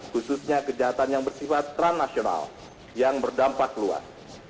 khususnya kejahatan yang bersifat transnasional yang berdampak luas